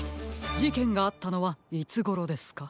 じけんがあったのはいつごろですか？